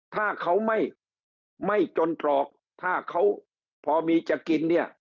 ถ้าเขาไม่จนตรอกถ้าเขาพอมีจะกินเนี่ย